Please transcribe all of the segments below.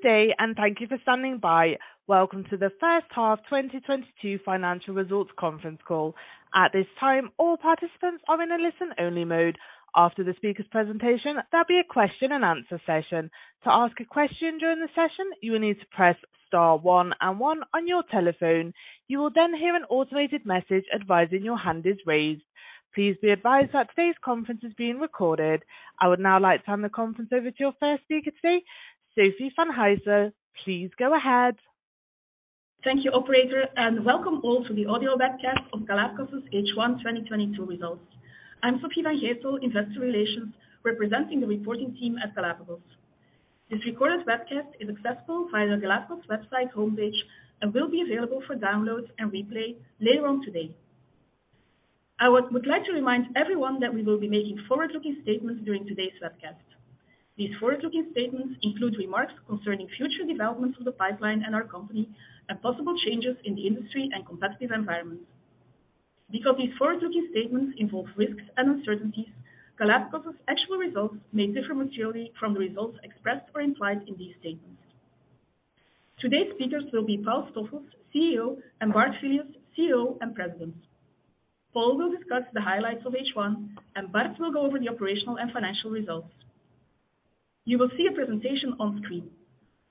Good day, and thank you for standing by. Welcome to the first half 2022 financial results conference call. At this time, all participants are in a listen-only mode. After the speaker's presentation, there'll be a question-and-answer session. To ask a question during the session, you will need to press star one and one on your telephone. You will then hear an automated message advising your hand is raised. Please be advised that today's conference is being recorded. I would now like to hand the conference over to your first speaker today, Sofie Van Gijsel. Please go ahead. Thank you, operator, and welcome all to the audio webcast of Galapagos' H1 2022 results. I'm Sofie Van Gijsel, investor relations, representing the reporting team at Galapagos. This recorded webcast is accessible via the Galapagos website homepage and will be available for download and replay later on today. I would like to remind everyone that we will be making forward-looking statements during today's webcast. These forward-looking statements include remarks concerning future developments of the pipeline and our company and possible changes in the industry and competitive environment. Because these forward-looking statements involve risks and uncertainties, Galapagos' actual results may differ materially from the results expressed or implied in these statements. Today's speakers will be Paul Stoffels, CEO, and Bart Filius, COO and President. Paul will discuss the highlights of H1, and Bart will go over the operational and financial results. You will see a presentation on screen.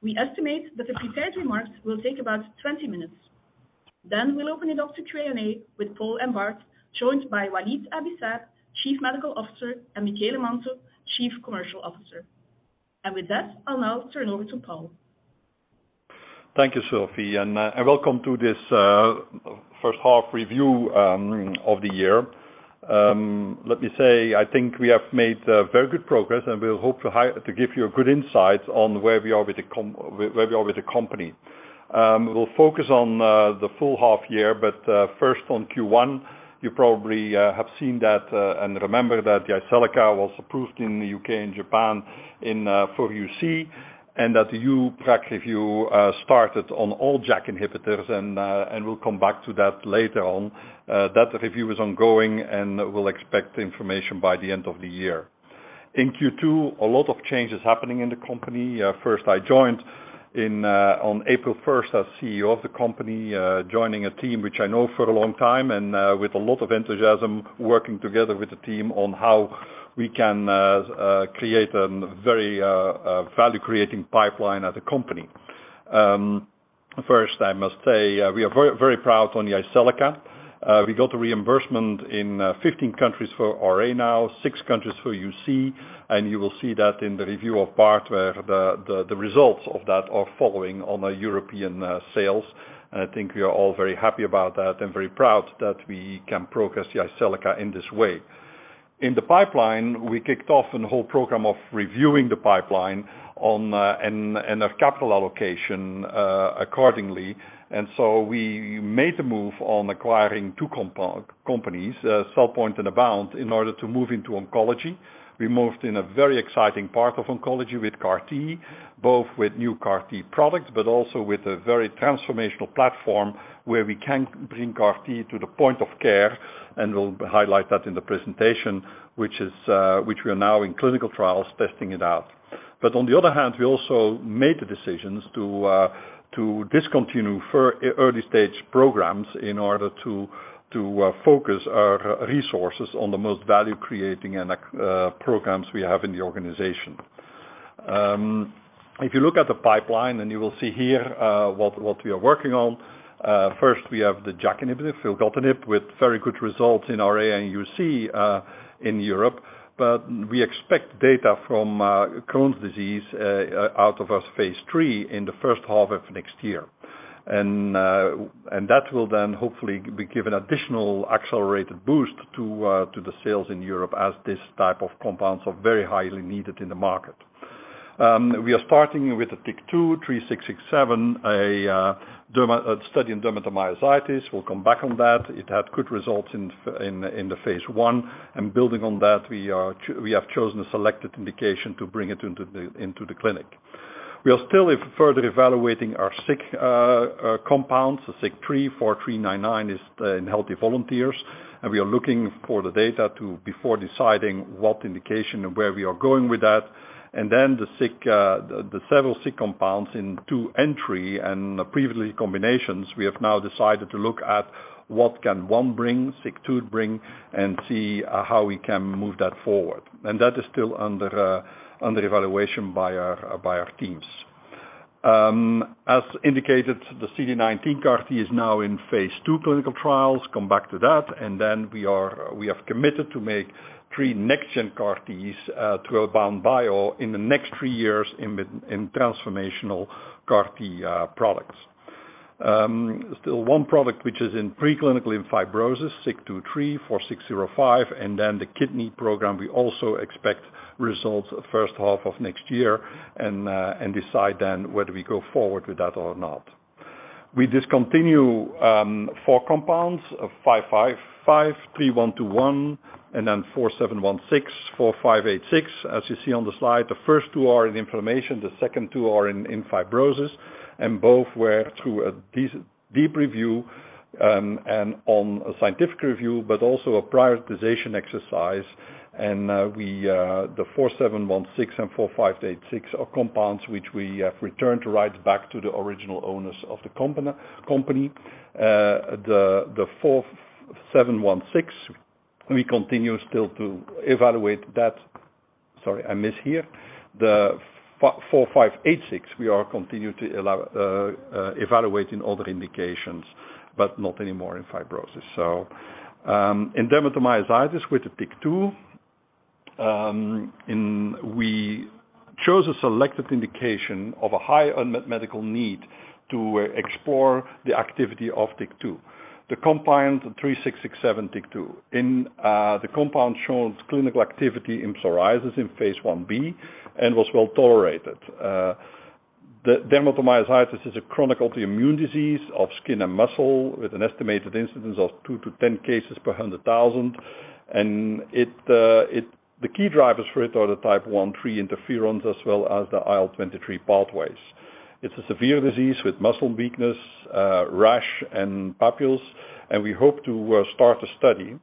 We estimate that the prepared remarks will take about 20 minutes. Then we'll open it up to Q&A with Paul and Bart, joined by Walid Abi-Saab, Chief Medical Officer, and Michele Manto, Chief Commercial Officer. With that, I'll now turn over to Paul. Thank you, Sofie, and welcome to this first half review of the year. Let me say, I think we have made very good progress, and we'll hope to give you a good insight on where we are with the company. We'll focus on the full half year, but first on Q1, you probably have seen that and remember that Jyseleca was approved in the U.K. and Japan for UC, and that the EU PRAC review started on all JAK inhibitors, and we'll come back to that later on. That review is ongoing, and we'll expect information by the end of the year. In Q2, a lot of changes happening in the company. First I joined in on April first as CEO of the company, joining a team which I know for a long time and with a lot of enthusiasm, working together with the team on how we can create a very value-creating pipeline as a company. First I must say, we are very, very proud of Jyseleca. We got a reimbursement in 15 countries for RA now, six countries for UC, and you will see that in the review of Bart where the results of that are reflected in the European sales. I think we are all very happy about that and very proud that we can progress Jyseleca in this way. In the pipeline, we kicked off a whole program of reviewing the pipeline and of capital allocation accordingly. We made the move on acquiring two companies, CellPoint and AboundBio, in order to move into oncology. We moved in a very exciting part of oncology with CAR-T, both with new CAR-T products, but also with a very transformational platform where we can bring CAR-T to the point of care, and we'll highlight that in the presentation, which we are now in clinical trials testing it out. On the other hand, we also made the decisions to discontinue early stage programs in order to focus our resources on the most value-creating and programs we have in the organization. If you look at the pipeline and you will see here what we are working on, first we have the JAK inhibitor, filgotinib, with very good results in RA and UC in Europe. We expect data from Crohn's disease out of our phase III in the first half of next year. That will then hopefully give an additional accelerated boost to the sales in Europe as this type of compounds are very highly needed in the market. We are starting with the GLPG3667, a derma study in dermatomyositis. We'll come back on that. It had good results in the phase I, and building on that, we have chosen a selected indication to bring it into the clinic. We are still further evaluating our SIK compounds. The GLPG34399 is in healthy volunteers, and we are looking for the data before deciding what indication and where we are going with that. Then the several SIK compounds in discovery and preclinical combinations, we have now decided to look at what SIK1 can bring, SIK2 can bring, and see how we can move that forward. That is still under evaluation by our teams. As indicated, the CD19 CAR-T is now in phase II clinical trials, come back to that. We have committed to make 3 next-gen CAR-Ts to AboundBio in the next three years in developing transformational CAR-T products. Still one product which is in preclinical in fibrosis, SIK2/3 4605, and then the kidney program, we also expect results first half of next year and decide then whether we go forward with that or not. We discontinue 4 compounds, 555, 3121, and then 4716, 4586. As you see on the slide, the first two are in inflammation, the second two are in fibrosis, and both were through a deep review and a scientific review, but also a prioritization exercise. The 4716 and 4586 are compounds which we have returned right back to the original owners of the company. The 4716, we continue still to evaluate that. Sorry, I miss here. The 4586, we are continuing to evaluate other indications, but not anymore in fibrosis. In dermatomyositis with the TYK2, we chose a selective indication of a high unmet medical need to explore the activity of TYK2. The compound 3667 TYK2 shows clinical activity in psoriasis in phase 1b and was well-tolerated. Dermatomyositis is a chronic autoimmune disease of skin and muscle with an estimated incidence of 2-10 cases per 100,000. The key drivers for it are the type I interferons as well as the IL-23 pathways. It's a severe disease with muscle weakness, rash, and papules, and we hope to start a study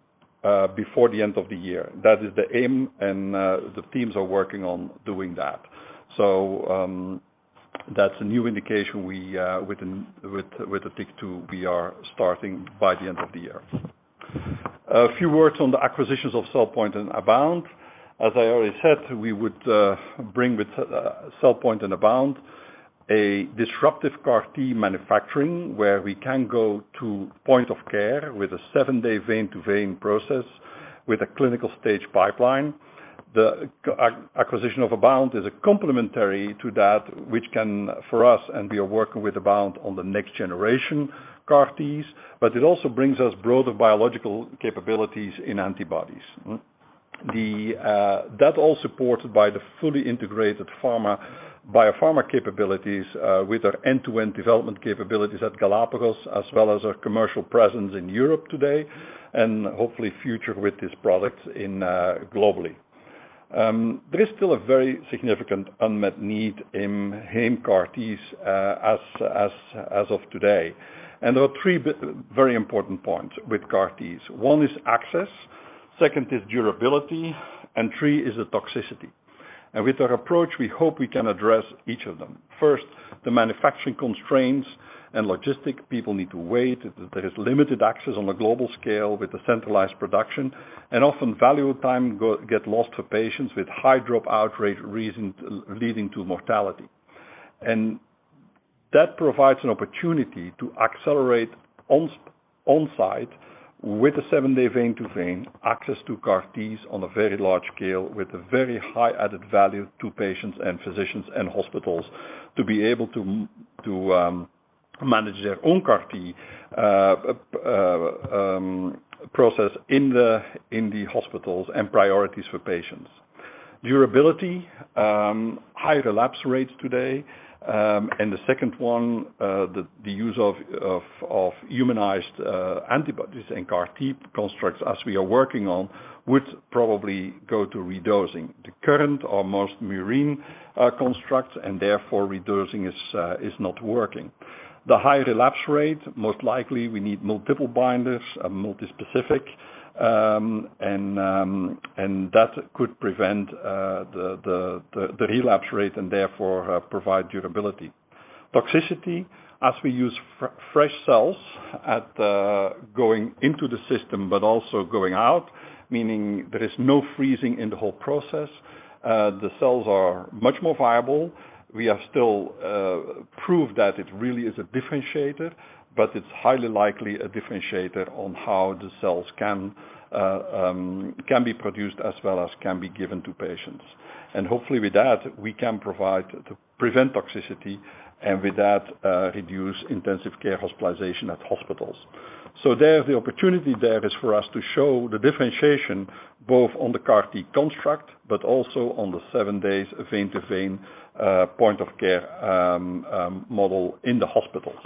before the end of the year. That is the aim, and the teams are working on doing that. That's a new indication with the TYK2 we are starting by the end of the year. A few words on the acquisitions of CellPoint and AboundBio. As I already said, we would bring with CellPoint and AboundBio a disruptive CAR-T manufacturing, where we can go to point of care with a seven-day vein to vein process with a clinical stage pipeline. The acquisition of AboundBio is a complementary to that which can, for us, and we are working with AboundBio on the next generation CAR-T's, but it also brings us broader biological capabilities in antibodies. That all supported by the fully integrated pharma, biopharma capabilities with our end-to-end development capabilities at Galapagos, as well as our commercial presence in Europe today and hopefully future with this product in globally. There is still a very significant unmet need in heme CAR-Ts as of today. There are three very important points with CAR-Ts. One is access, second is durability, and three is the toxicity. With our approach, we hope we can address each of them. First, the manufacturing constraints and logistics. People need to wait. There is limited access on the global scale with the centralized production, and often valuable time gets lost for patients with high dropout rates, leading to mortality. That provides an opportunity to accelerate on-site with a seven day vein to vein access to CAR-Ts on a very large scale, with a very high added value to patients and physicians and hospitals to be able to manage their own CAR-T process in the hospitals and prioritize patients. Durability, high relapse rates today. The second one, the use of humanized antibodies in CAR-T constructs as we are working on, would probably go to redosing. The current are most murine constructs, and therefore redosing is not working. The high relapse rate, most likely we need multiple binders, a multispecific, and that could prevent the relapse rate and therefore provide durability. Toxicity, as we use fresh cells going into the system but also going out, meaning there is no freezing in the whole process, the cells are much more viable. We have still proved that it really is a differentiator, but it's highly likely a differentiator on how the cells can be produced as well as can be given to patients. Hopefully with that, we can provide to prevent toxicity and with that, reduce intensive care hospitalization at hospitals. The opportunity there is for us to show the differentiation both on the CAR-T construct, but also on the seven day vein-to-vein point-of-care model in the hospitals.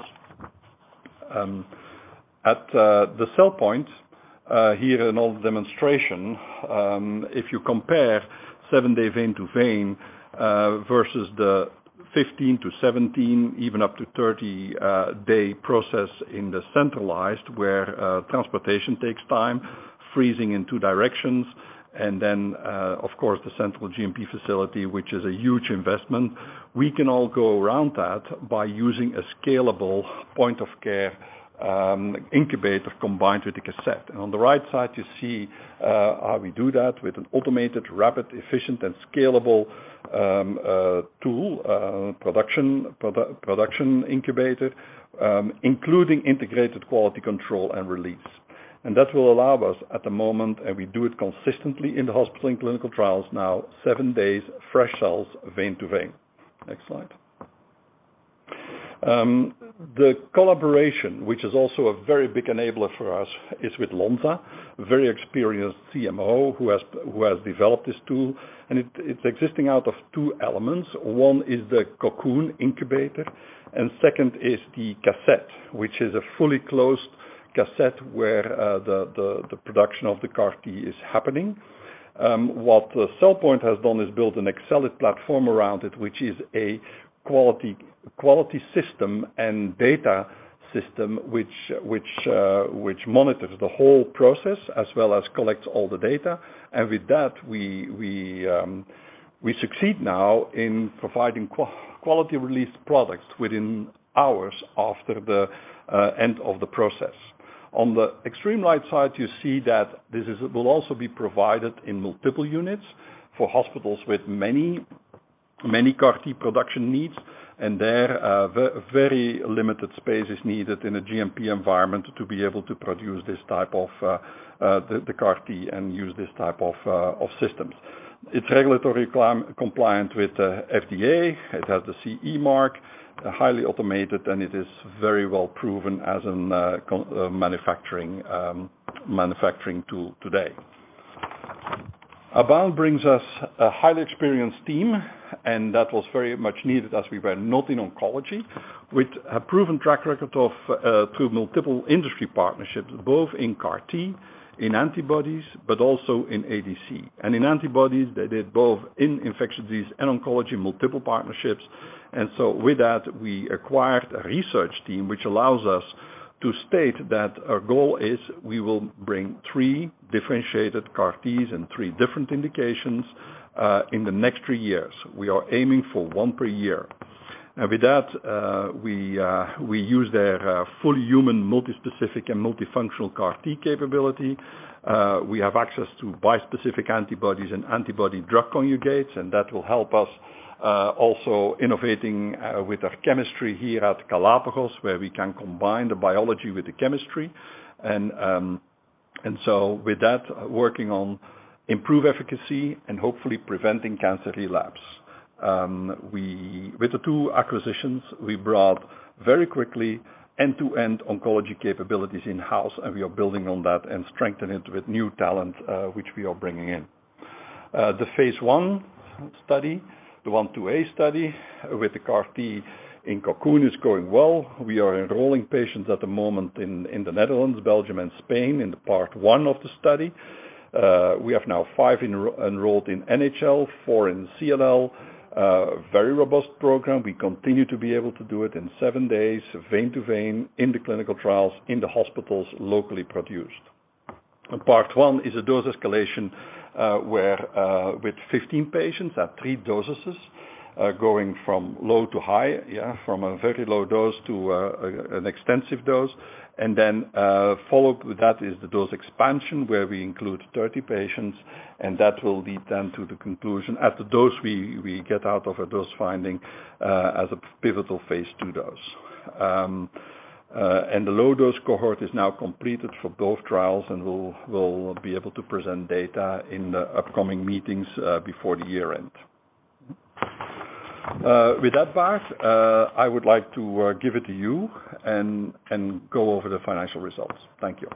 At the CellPoint here in our demonstration, if you compare seven day vein-to-vein versus the 15-17, even up to 30, day process in the centralized where transportation takes time, freezing in two directions, and then, of course, the central GMP facility, which is a huge investment, we can avoid that by using a scalable point-of-care incubator combined with a cassette. On the right side, you see how we do that with an automated, rapid, efficient, and scalable tool production incubator, including integrated quality control and release. That will allow us at the moment, and we do it consistently in the hospital in clinical trials now, seven days fresh cells, vein to vein. Next slide. The collaboration, which is also a very big enabler for us, is with Lonza, a very experienced CMO who has developed this tool. It exists out of two elements. One is the Cocoon incubator, and second is the cassette, which is a fully closed cassette where the production of the CAR-T is happening. What CellPoint has done is build an Accelid platform around it, which is a quality system and data system which monitors the whole process as well as collects all the data. With that, we succeed now in providing quality released products within hours after the end of the process. On the extreme right side, you see that this will also be provided in multiple units for hospitals with many CAR-T production needs, and there very limited space is needed in a GMP environment to be able to produce this type of CAR-T and use this type of systems. It's regulatory compliant with FDA. It has the CE mark, highly automated, and it is very well-proven as a manufacturing tool today. AboundBio brings us a highly experienced team, and that was very much needed as we were not in oncology, with a proven track record of through multiple industry partnerships, both in CAR-T, in antibodies, but also in ADC. In antibodies, they did both in infectious disease and oncology, multiple partnerships. With that, we acquired a research team, which allows us to state that our goal is we will bring three differentiated CAR-Ts and three different indications in the next three years. We are aiming for one per year. With that, we use their full human multi-specific and multifunctional CAR-T capability. We have access to bispecific antibodies and antibody drug conjugates, and that will help us also innovating with our chemistry here at Galapagos, where we can combine the biology with the chemistry. working on improve efficacy and hopefully preventing cancer relapse. With the two acquisitions, we brought very quickly end-to-end oncology capabilities in-house, and we are building on that and strengthen it with new talent, which we are bringing in. The phase I study, the 1/2A study with the CAR-T in Cocoon is going well. We are enrolling patients at the moment in the Netherlands, Belgium, and Spain in the part one of the study. We have now five enrolled in NHL, 4 in CLL, very robust program. We continue to be able to do it in seven days, vein to vein, in the clinical trials, in the hospitals, locally produced. Part one is a dose escalation, where with 15 patients at three dosages, going from low to high, yeah, from a very low dose to an extensive dose. Then followed with that is the dose expansion, where we include 30 patients, and that will lead them to the conclusion. At the dose, we get out of a dose finding as a pivotal phase II dose. The low dose cohort is now completed for both trials, and we'll be able to present data in the upcoming meetings before the year-end. With that, Bart, I would like to give it to you and go over the financial results. Thank you.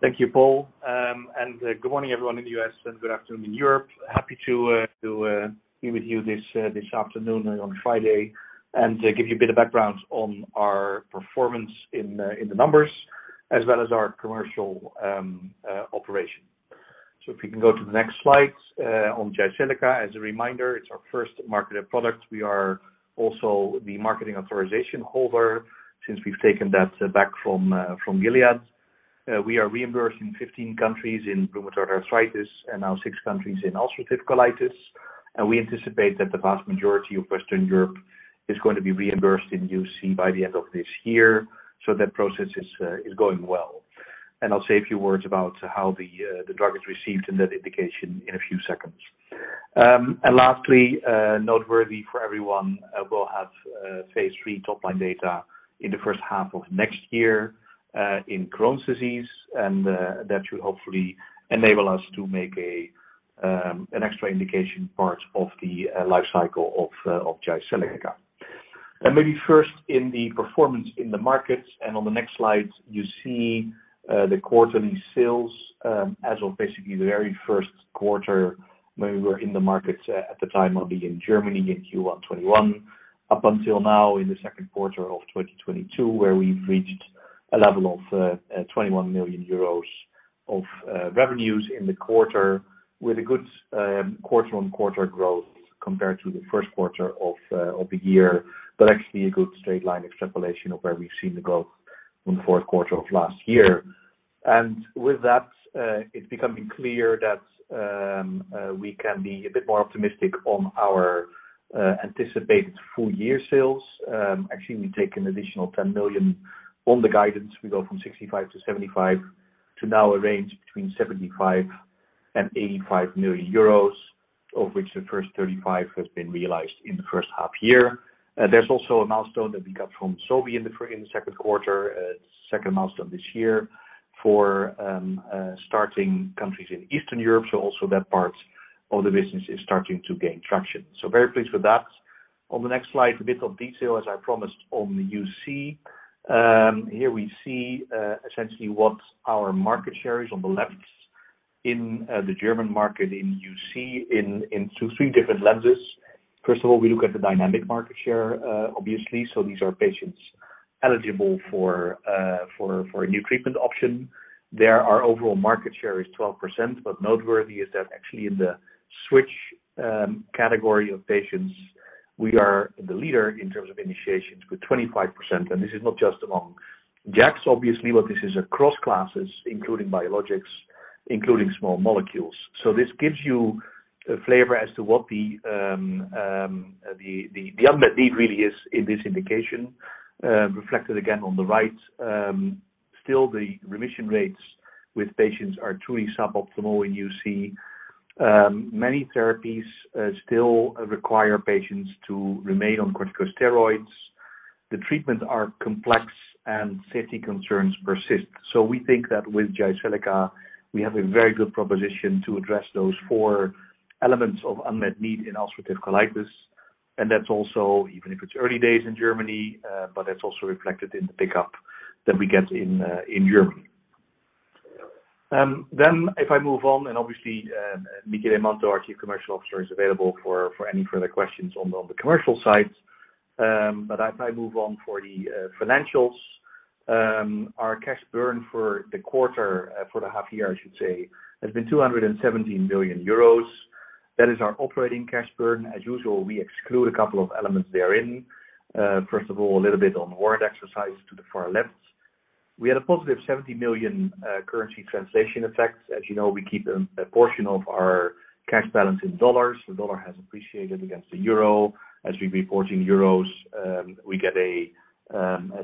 Thank you, Paul. Good morning everyone in the U.S. and good afternoon in Europe. Happy to be with you this afternoon on Friday and give you a bit of background on our performance in the numbers as well as our commercial operation. If you can go to the next slide on Jyseleca. As a reminder, it's our first marketed product. We are also the marketing authorization holder since we've taken that back from Gilead. We are reimbursed in 15 countries in rheumatoid arthritis and now six countries in ulcerative colitis, and we anticipate that the vast majority of Western Europe is going to be reimbursed in UC by the end of this year. That process is going well. I'll say a few words about how the drug is received in that indication in a few seconds. Lastly, noteworthy for everyone, we'll have phase III top-line data in the first half of next year in Crohn's disease, and that should hopefully enable us to make an extra indication part of the life cycle of Jyseleca. Maybe first in the performance in the markets, and on the next slide, you see the quarterly sales as of basically the very first quarter when we were in the markets at the time in Germany in Q1 2021, up until now in the second quarter of 2022, where we've reached a level of 21 million euros of revenues in the quarter with a good quarter-on-quarter growth compared to the first quarter of the year, but actually a good straight line extrapolation of where we've seen the growth from the fourth quarter of last year. With that, it's becoming clear that we can be a bit more optimistic on our anticipated full-year sales. Actually, we take an additional 10 million on the guidance. We go from 65-75 to now a range between 75 million-85 million euros, of which the first 35 million has been realized in the first half year. There's also a milestone that we got from Sobi in the second quarter, second milestone this year for starting countries in Eastern Europe. Also that part of the business is starting to gain traction. Very pleased with that. On the next slide, a bit of detail, as I promised, on the UC. Here we see essentially what our market share is on the left in the German market in UC in two, three different lenses. First of all, we look at the dynamic market share, obviously. These are patients eligible for a new treatment option. There, our overall market share is 12%, but noteworthy is that actually in the switch category of patients, we are the leader in terms of initiations with 25%. This is not just among JAKs obviously, but this is across classes, including biologics, including small molecules. This gives you a flavor as to what the unmet need really is in this indication, reflected again on the right. Still, the remission rates with patients are truly suboptimal in UC. Many therapies still require patients to remain on corticosteroids. The treatments are complex and safety concerns persist. We think that with Jyseleca, we have a very good proposition to address those four elements of unmet need in ulcerative colitis, and that's also, even if it's early days in Germany, but that's also reflected in the pickup that we get in Germany. If I move on, and obviously, Michele Manto, our Chief Commercial Officer, is available for any further questions on the commercial side. If I move on to the financials. Our cash burn for the quarter, for the half year, I should say, has been 217 million euros. That is our operating cash burn. As usual, we exclude a couple of elements therein. First of all, a little bit on warrant exercise to the far left. We had a positive 70 million currency translation effect. As you know, we keep a portion of our cash balance in dollars. The dollar has appreciated against the euro. As we're reporting euros, we get a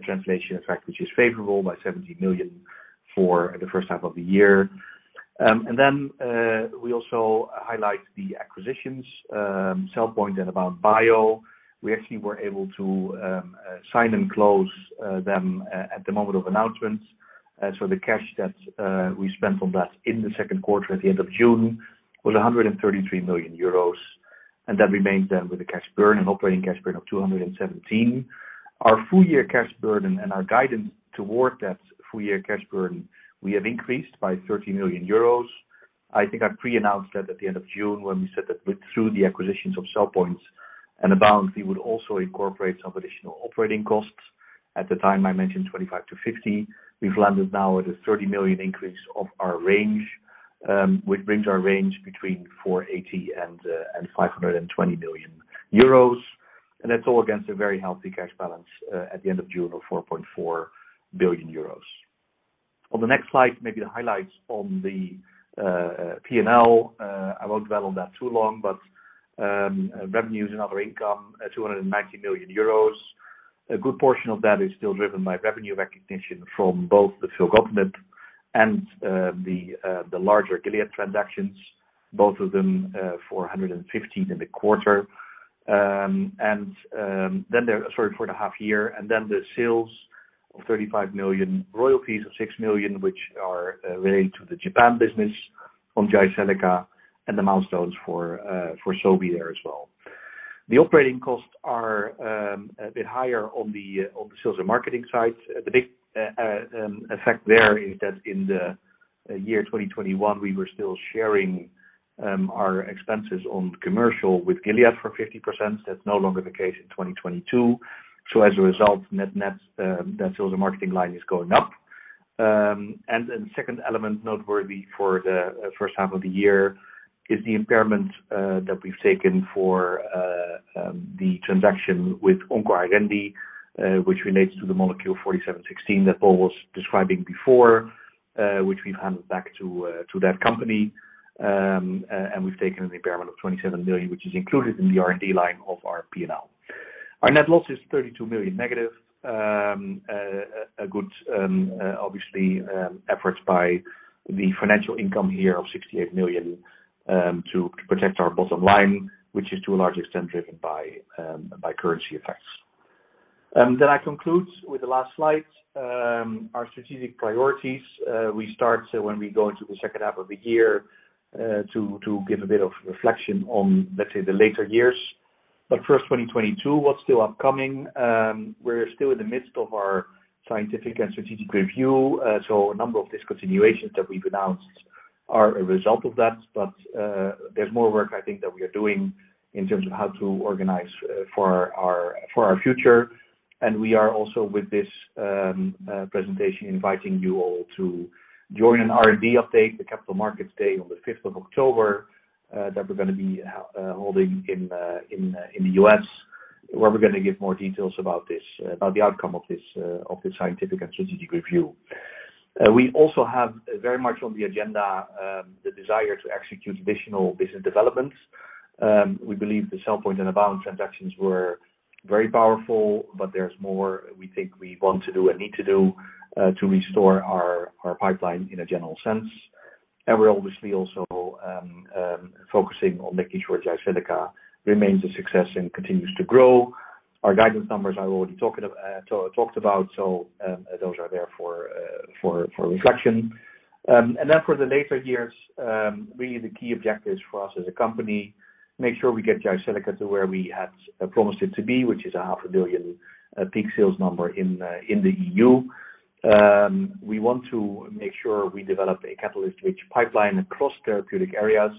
translation effect which is favorable by 17 million for the first half of the year. We also highlight the acquisitions, CellPoint and AboundBio. We actually were able to sign and close them at the moment of announcement. So the cash that we spent on that in the second quarter at the end of June was 133 million euros, and that remains then with the cash burn, an operating cash burn of 217 million. Our full year cash burn and our guidance toward that full year cash burn, we have increased by 30 million euros. I think I pre-announced that at the end of June when we said that through the acquisitions of CellPoint and AboundBio, we would also incorporate some additional operating costs. At the time, I mentioned 25-50. We've landed now at a 30 million increase of our range, which brings our range between 480 million and 520 million euros. That's all against a very healthy cash balance at the end of June of 4.4 billion euros. On the next slide, maybe the highlights on the P&L. I won't dwell on that too long, but revenues and other income, 290 million euros. A good portion of that is still driven by revenue recognition from both the filgotinib and the larger Gilead transactions, both of them, 450 for the half year. The sales of 35 million, royalties of 6 million, which are related to the Japan business from Jyseleca and the milestones for Sobi there as well. The operating costs are a bit higher on the sales and marketing side. The big effect there is that in the year 2021, we were still sharing our expenses on commercial with Gilead for 50%. That's no longer the case in 2022. As a result, net-net, that sales and marketing line is going up. Second element noteworthy for the first half of the year is the impairment that we've taken for the transaction with OncoArendi, which relates to the molecule 4716 that Paul was describing before, which we've handed back to that company. And we've taken an impairment of 27 million, which is included in the R&D line of our P&L. Our net loss is 32 million negative. A good offset by the financial income here of 68 million to protect our bottom line, which is to a large extent driven by currency effects. I conclude with the last slide. Our strategic priorities. We start when we go into the second half of the year to give a bit of reflection on, let's say, the later years. First, 2022, what's still upcoming. We're still in the midst of our scientific and strategic review, so a number of discontinuations that we've announced are a result of that. There's more work I think that we are doing in terms of how to organize for our future. We are also with this presentation, inviting you all to join an R&D update, the Capital Markets Day on the fifth of October that we're gonna be holding in the U.S., where we're gonna give more details about the outcome of this scientific and strategic review. We also have very much on the agenda the desire to execute additional business developments. We believe the CellPoint and AboundBio transactions were very powerful, but there's more we think we want to do and need to do to restore our pipeline in a general sense. We're obviously also focusing on making sure Jyseleca remains a success and continues to grow. Our guidance numbers I already talked about, so those are there for reflection. For the later years, really the key objectives for us as a company, make sure we get Jyseleca to where we had promised it to be, which is a EUR half a billion peak sales number in the EU. We want to make sure we develop a catalyst-rich pipeline across therapeutic areas.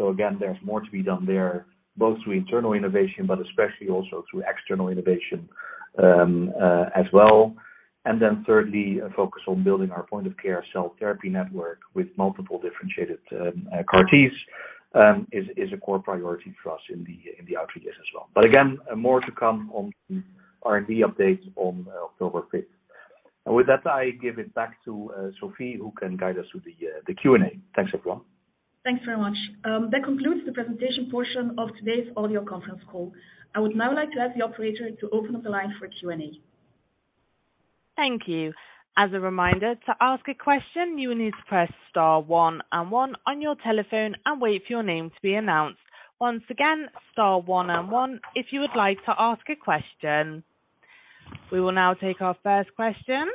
Again, there's more to be done there, both through internal innovation, but especially also through external innovation, as well. Thirdly, a focus on building our point-of-care cell therapy network with multiple differentiated, CAR Ts. is a core priority for us in the outreach as well. Again, more to come on R&D updates on October fifth. With that, I give it back to Sofie, who can guide us through the Q&A. Thanks, everyone. Thanks very much. That concludes the presentation portion of today's audio conference call. I would now like to ask the operator to open up the line for Q&A. Thank you. As a reminder, to ask a question, you will need to press star one one on your telephone and wait for your name to be announced. Once again, star one one if you would like to ask a question. We will now take our first question.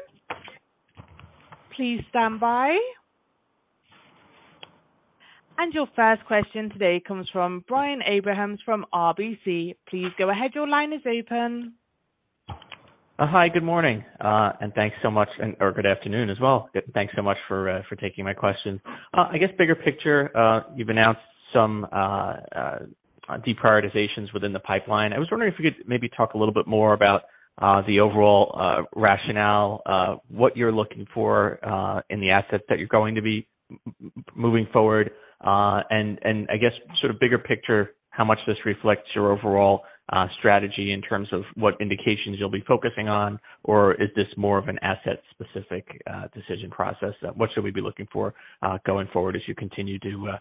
Please stand by. Your first question today comes from Brian Abrahams from RBC. Please go ahead. Your line is open. Hi, good morning, and thanks so much, and good afternoon as well. Thanks so much for taking my question. I guess bigger picture, you've announced some deprioritizations within the pipeline. I was wondering if you could maybe talk a little bit more about the overall rationale, what you're looking for in the assets that you're going to be moving forward. I guess sort of bigger picture, how much this reflects your overall strategy in terms of what indications you'll be focusing on, or is this more of an asset-specific decision process? What should we be looking for going forward as you continue to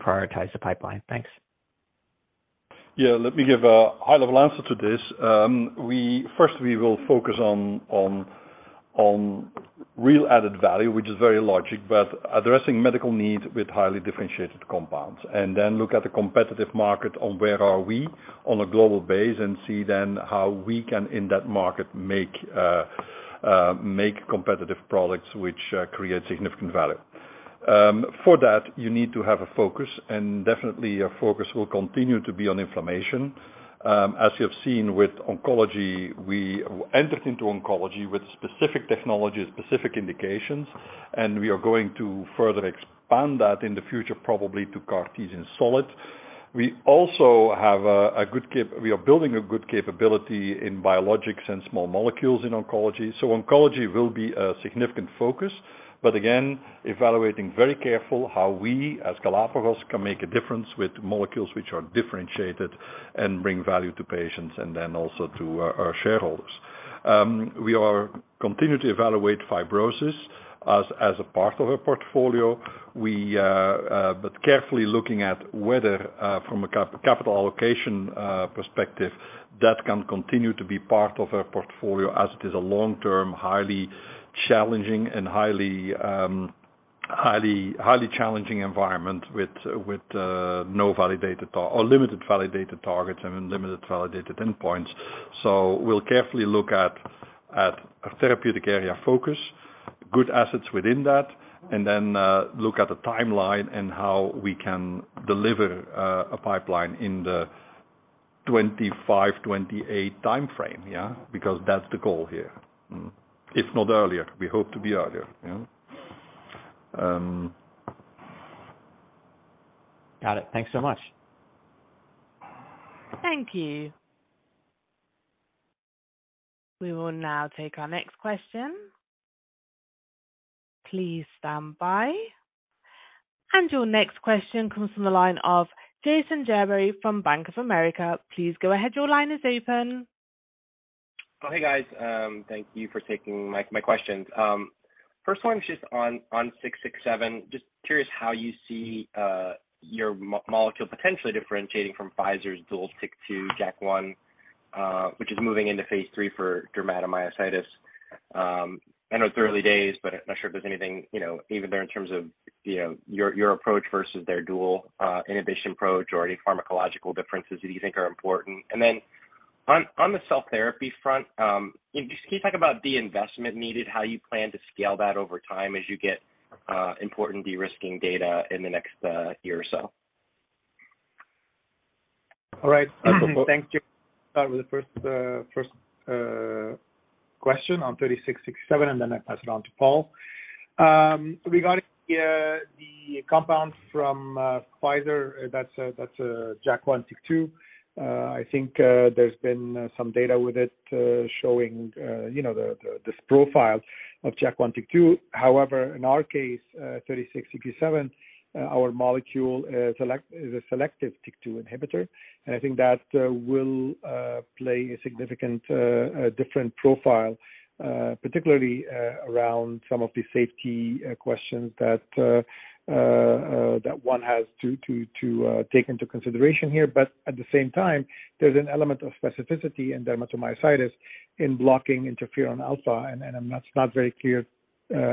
prioritize the pipeline? Thanks. Yeah, let me give a high-level answer to this. First, we will focus on real added value, which is very logical, but addressing medical need with highly differentiated compounds. Then look at the competitive market on where we are on a global basis, and see then how we can, in that market, make competitive products which create significant value. For that, you need to have a focus, and definitely our focus will continue to be on inflammation. As you have seen with oncology, we entered into oncology with specific technologies, specific indications, and we are going to further expand that in the future, probably to CAR-T in solid. We are building a good capability in biologics and small molecules in oncology. Oncology will be a significant focus. Again, evaluating very carefully how we, as Galapagos, can make a difference with molecules which are differentiated and bring value to patients and then also to our shareholders. We are continuing to evaluate fibrosis as a part of our portfolio. But carefully looking at whether, from a capital allocation perspective, that can continue to be part of our portfolio as it is a long-term, highly challenging environment with no validated targets or limited validated targets and limited validated endpoints. We'll carefully look at a therapeutic area of focus, good assets within that, and then look at the timeline and how we can deliver a pipeline in the 2025-2028 timeframe, yeah. Because that's the goal here. If not earlier, we hope to be earlier, you know. Got it. Thanks so much. Thank you. We will now take our next question. Please stand by. Your next question comes from the line of Jason Gerberry from Bank of America. Please go ahead. Your line is open. Oh, hey, guys. Thank you for taking my questions. First one is just on GLPG3667. Just curious how you see your molecule potentially differentiating from Pfizer's dual TYK2/JAK1, which is moving into phase III for dermatomyositis. I know it's early days, but I'm not sure if there's anything, you know, even there in terms of, you know, your approach versus their dual inhibition approach or any pharmacological differences that you think are important. On the cell therapy front, can you just talk about the investment needed, how you plan to scale that over time as you get important de-risking data in the next year or so? All right. Thank you. Start with the first question on GLPG3667, and then I pass it on to Paul. Regarding the compound from Pfizer, that's JAK1/TYK2. I think there's been some data with it showing you know this profile of JAK1/TYK2. However, in our case, GLPG3667, our molecule is a selective TYK2 inhibitor. I think that will play a significant different profile, particularly around some of the safety questions that one has to take into consideration here. At the same time, there's an element of specificity in dermatomyositis in blocking interferon alfa, and I'm not very clear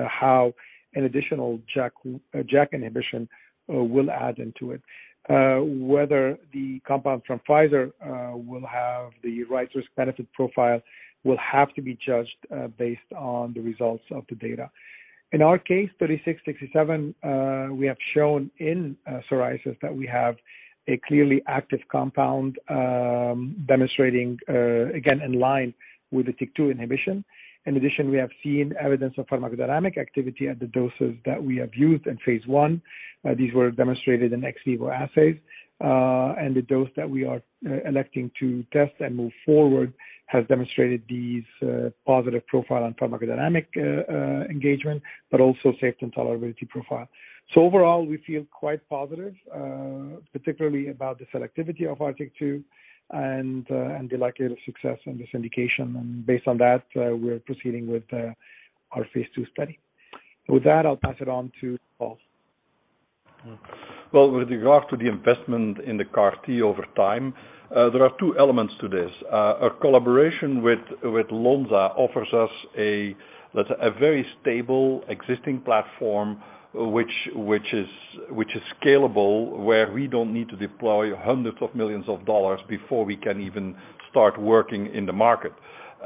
how an additional JAK inhibition will add into it. Whether the compound from Pfizer will have the right risk-benefit profile will have to be judged based on the results of the data. In our case, 3667, we have shown in psoriasis that we have a clearly active compound, demonstrating again, in line with the TYK2 inhibition. In addition, we have seen evidence of pharmacodynamic activity at the doses that we have used in phase one. These were demonstrated in ex vivo assays, and the dose that we are electing to test and move forward has demonstrated these positive profile and pharmacodynamic engagement, but also safety and tolerability profile. Overall, we feel quite positive, particularly about the selectivity of our TYK2 and the likelihood of success in this indication. Based on that, we're proceeding with our phase two study. With that, I'll pass it on to Paul. Well, with regard to the investment in the CAR-T over time, there are two elements to this. Our collaboration with Lonza offers us a, let's say, a very stable existing platform which is scalable, where we don't need to deploy $hundreds of millions before we can even start working in the market.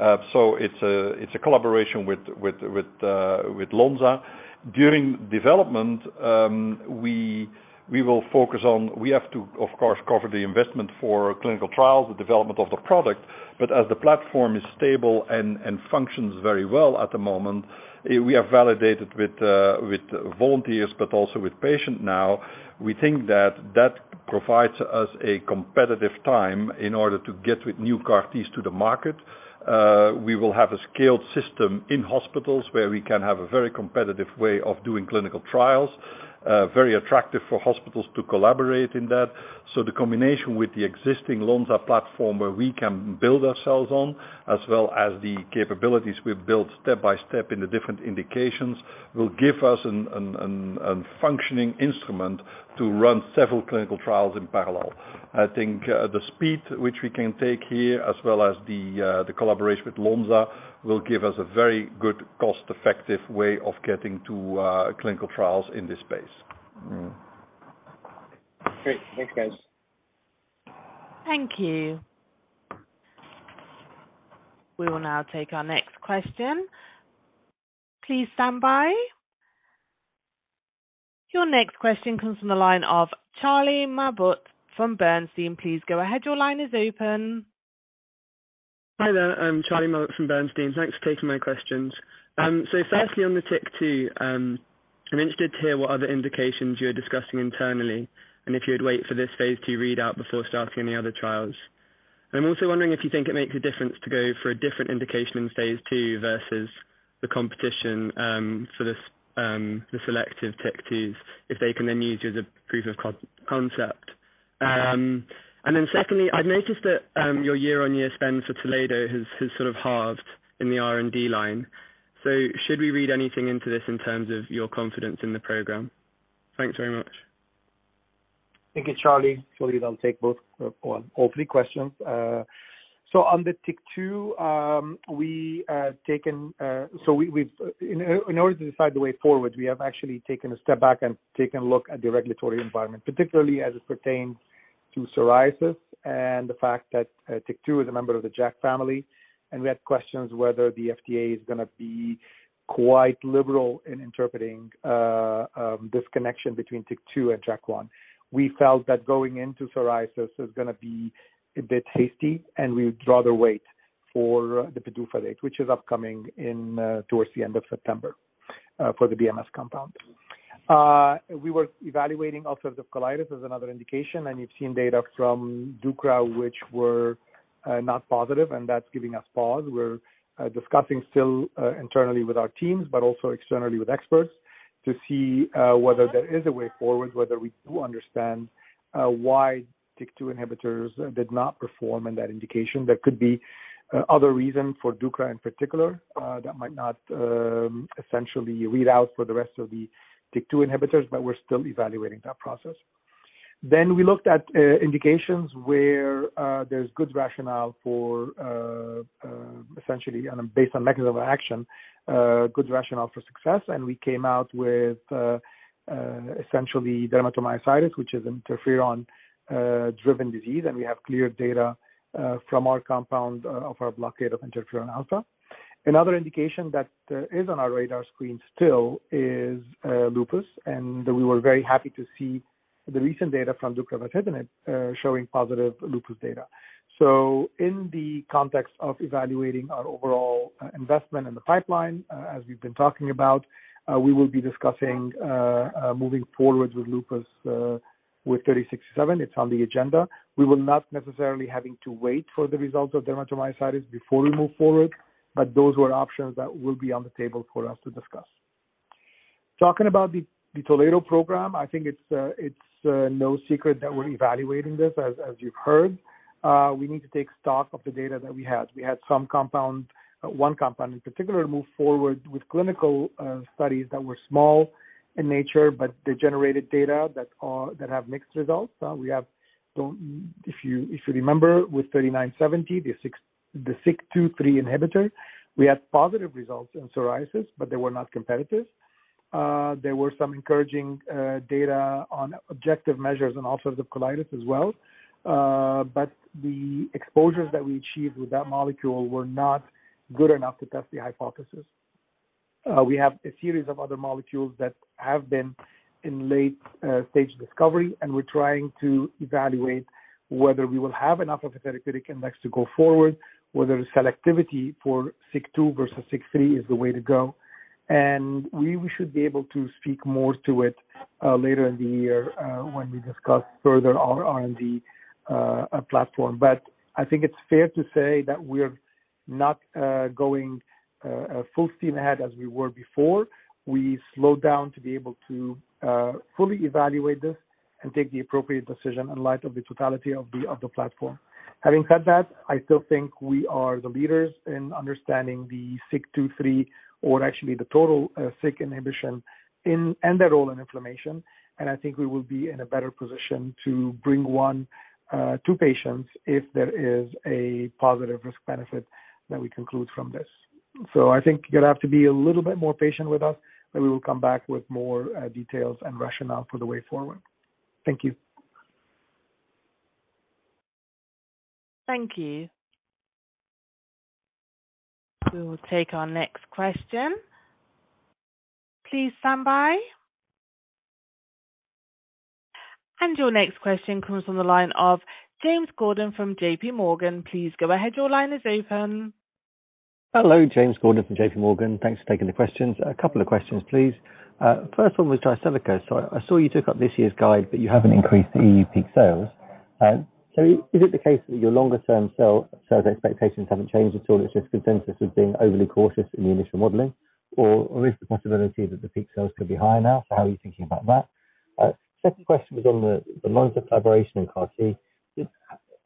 It's a collaboration with Lonza. During development, we have to, of course, cover the investment for clinical trials, the development of the product. As the platform is stable and functions very well at the moment, we have validated with volunteers, but also with patients now. We think that that provides us a competitive time in order to get with new CAR-Ts to the market. We will have a scaled system in hospitals where we can have a very competitive way of doing clinical trials, very attractive for hospitals to collaborate in that. The combination with the existing Lonza platform where we can build ourselves on, as well as the capabilities we've built step-by-step in the different indications, will give us a functioning instrument to run several clinical trials in parallel. I think, the speed which we can take here, as well as the collaboration with Lonza, will give us a very good cost-effective way of getting to clinical trials in this space. Mm-hmm. Great. Thanks, guys. Thank you. We will now take our next question. Please stand by. Your next question comes from the line of Charlie Mabbutt from Bernstein. Please go ahead. Your line is open. Hi there. I'm Charlie Mabbutt from Bernstein. Thanks for taking my questions. Firstly, on the TYK2, I'm interested to hear what other indications you're discussing internally and if you'd wait for this phase two readout before starting any other trials. I'm also wondering if you think it makes a difference to go for a different indication in phase two versus the competition, for this, the selective TYK2s, if they can then use you as a proof of concept. Secondly, I've noticed that your year-on-year spend for Toledo has sort of halved in the R&D line. Should we read anything into this in terms of your confidence in the program? Thanks very much. Thank you, Charlie. Charlie, I'll take both or all three questions. On the TYK2, we have actually taken a step back and taken a look at the regulatory environment, particularly as it pertains to psoriasis and the fact that TYK2 is a member of the JAK family, and we had questions whether the FDA is gonna be quite liberal in interpreting this connection between TYK2 and JAK1. We felt that going into psoriasis is gonna be a bit hasty, and we would rather wait for the PDUFA date, which is upcoming towards the end of September, for the BMS compound. We were evaluating ulcerative colitis as another indication, and you've seen data from deucravacitinib which were not positive, and that's giving us pause. We're discussing still internally with our teams but also externally with experts to see whether there is a way forward, whether we do understand why TYK2 inhibitors did not perform in that indication. There could be other reason for deucravacitinib in particular that might not essentially read out for the rest of the TYK2 inhibitors, but we're still evaluating that process. We looked at indications where there's good rationale for essentially and based on mechanism of action good rationale for success, and we came out with essentially dermatomyositis, which is interferon-driven disease, and we have clear data from our compound of our blockade of interferon alfa. Another indication that is on our radar screen still is lupus, and we were very happy to see the recent data from deucravacitinib showing positive lupus data. In the context of evaluating our overall investment in the pipeline, as we've been talking about, we will be discussing moving forward with lupus with GLPG3667. It's on the agenda. We will not necessarily having to wait for the results of dermatomyositis before we move forward, but those were options that will be on the table for us to discuss. Talking about the Toledo program, I think it's no secret that we're evaluating this as you've heard. We need to take stock of the data that we had. We had some compound, one compound in particular move forward with clinical studies that were small in nature, but they generated data that have mixed results. If you remember, with 3970, the SIK2/3 inhibitor, we had positive results in psoriasis, but they were not competitive. There were some encouraging data on objective measures on ulcerative colitis as well. But the exposures that we achieved with that molecule were not good enough to test the hypothesis. We have a series of other molecules that have been in late-stage discovery, and we're trying to evaluate whether we will have enough of a therapeutic index to go forward, whether the selectivity for SIK2 versus SIK3 is the way to go. We should be able to speak more to it later in the year when we discuss further our R&D platform. I think it's fair to say that we're not going full steam ahead as we were before. We slowed down to be able to fully evaluate this and take the appropriate decision in light of the totality of the platform. Having said that, I still think we are the leaders in understanding the SIK-2,3 or actually the total, SIK inhibition in and their role in inflammation. I think we will be in a better position to bring one, to patients if there is a positive risk benefit that we conclude from this. I think you're gonna have to be a little bit more patient with us, but we will come back with more, details and rationale for the way forward. Thank you. Thank you. We will take our next question. Please stand by. Your next question comes on the line of James Gordon from JPMorgan. Please go ahead. Your line is open. Hello. James Gordon from JPMorgan. Thanks for taking the questions. A couple of questions, please. First one was Jyseleca. I saw you took up this year's guide, but you haven't increased the EU peak sales. Is it the case that your longer term sales expectations haven't changed at all? It's just consensus of being overly cautious in the initial modeling? Is the possibility that the peak sales could be higher now? How are you thinking about that? Second question was on the Lonza collaboration in CAR-T.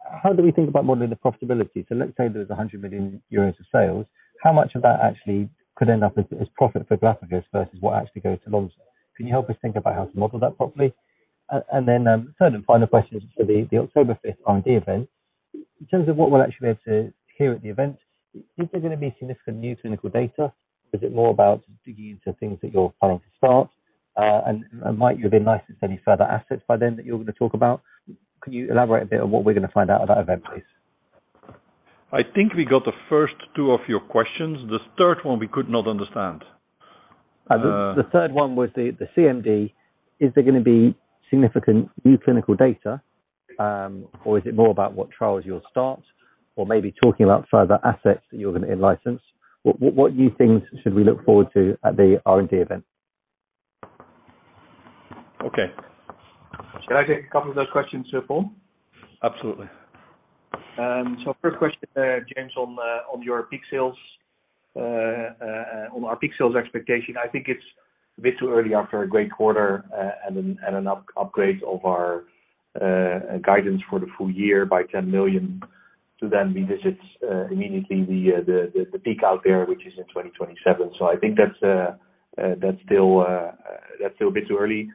How do we think about modeling the profitability? Let's say there's 100 million euros of sales. How much of that actually could end up as profit for Galapagos versus what actually goes to Lonza? Can you help us think about how to model that properly? Third and final question is just for the October fifth R&D event. In terms of what we'll actually able to hear at the event, is there gonna be significant new clinical data? Is it more about digging into things that you're planning to start? Might you have in-licensed any further assets by then that you're gonna talk about? Could you elaborate a bit on what we're gonna find out at that event, please? I think we got the first two of your questions. The third one we could not understand. The third one was the CMD. Is there gonna be significant new clinical data, or is it more about what trials you'll start or maybe talking about further assets that you're gonna in-license? What new things should we look forward to at the R&D event? Okay. Can I take a couple of those questions, Paul? Absolutely. First question, James, on your peak sales. On our peak sales expectation, I think it's a bit too early after a great quarter and an upgrade of our guidance for the full year by 10 million to then revisit immediately the peak out there, which is in 2027. I think that's still a bit too early.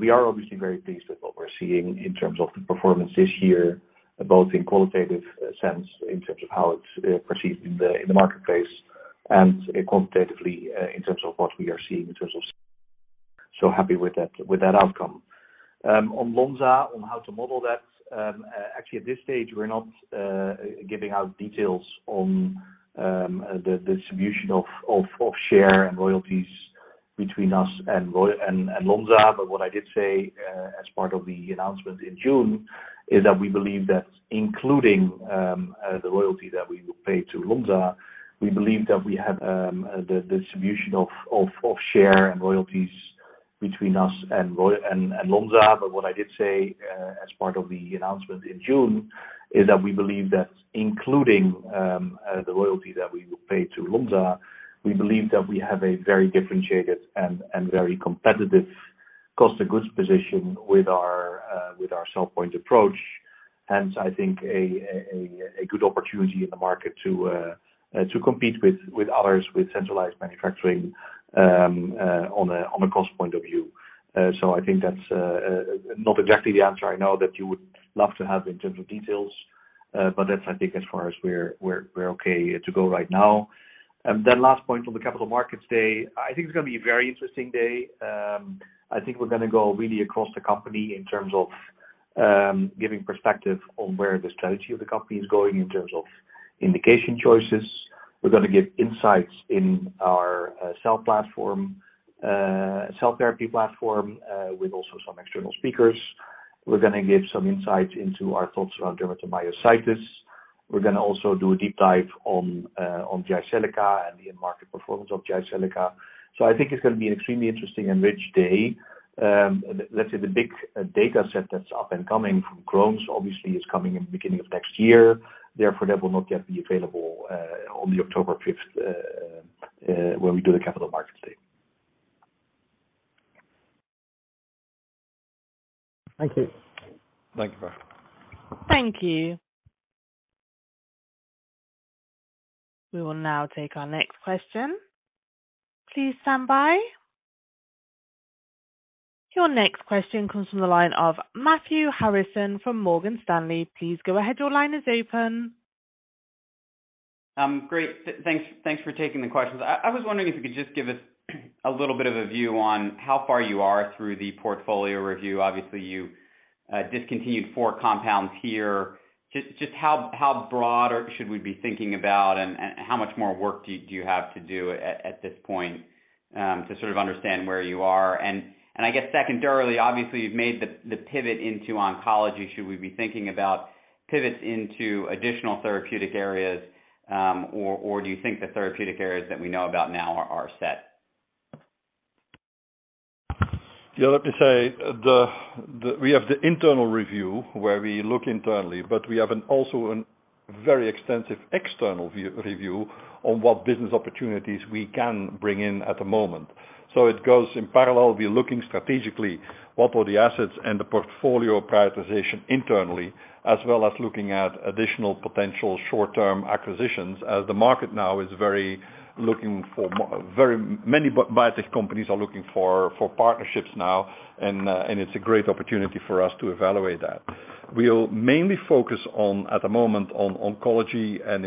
We are obviously very pleased with what we're seeing in terms of the performance this year, both in qualitative sense, in terms of how it's perceived in the marketplace and quantitatively, in terms of what we are seeing. Happy with that outcome. On Lonza, on how to model that. Actually at this stage, we're not giving out details on the distribution of share and royalties between us and Lonza. What I did say, as part of the announcement in June, is that we believe that including the royalty that we will pay to Lonza, we believe that we have a very differentiated and very competitive cost of goods position with our CellPoint approach. Hence, I think a good opportunity in the market to compete with others with centralized manufacturing on a cost point of view. I think that's not exactly the answer I know that you would love to have in terms of details. That's I think as far as we're okay to go right now. Last point on the Capital Markets Day. I think it's gonna be a very interesting day. I think we're gonna go really across the company in terms of giving perspective on where the strategy of the company is going in terms of indication choices. We're gonna give insights in our cell platform, cell therapy platform, with also some external speakers. We're gonna give some insights into our thoughts around dermatomyositis. We're gonna also do a deep dive on Jyseleca and the in-market performance of Jyseleca. I think it's gonna be an extremely interesting and rich day. Let's say the big data set that's upcoming from Crohn's obviously is coming in the beginning of next year. Therefore, that will not yet be available on the October fifth when we do the Capital Markets Day. Thank you. Thank you. Thank you. We will now take our next question. Please stand by. Your next question comes from the line of Matthew Harrison from Morgan Stanley. Please go ahead. Your line is open. Thanks for taking the questions. I was wondering if you could just give us a little bit of a view on how far you are through the portfolio review. Obviously, you discontinued four compounds here. Just how broad should we be thinking about and how much more work do you have to do at this point to sort of understand where you are? I guess secondarily, obviously you've made the pivot into oncology. Should we be thinking about pivots into additional therapeutic areas, or do you think the therapeutic areas that we know about now are set? Yeah, let me say. We have the internal review where we look internally, but we have also a very extensive external review on what business opportunities we can bring in at the moment. It goes in parallel. We're looking strategically what are the assets and the portfolio prioritization internally, as well as looking at additional potential short-term acquisitions as the market now is very many biotech companies are looking for partnerships now, and it's a great opportunity for us to evaluate that. We'll mainly focus on, at the moment, on oncology and